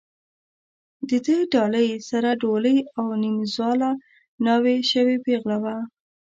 د ده ډالۍ سره ډولۍ او نیمزاله ناوې شوې پېغله وه.